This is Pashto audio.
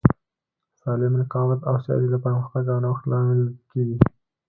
سالم رقابت او سیالي د پرمختګ او نوښت لامل کیږي.